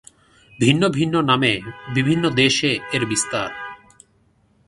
ভিন্ন ভিন্ন নামে বিভিন্ন দেশে এর বিস্তার।